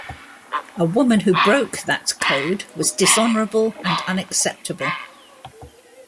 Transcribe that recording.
A woman who broke that code was dishonorable and unacceptable.